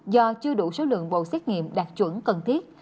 do chưa đủ số lượng bộ xét nghiệm đạt chuẩn cần thiết